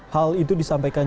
hal itu disampaikan